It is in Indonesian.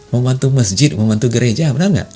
membantu masjid membantu gereja benar nggak